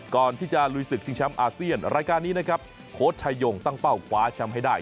ก่อนที่จะลุยศึกชิงแชมป์อาเซียนรายการนี้นะครับโค้ชชายงตั้งเป้าคว้าแชมป์ให้ได้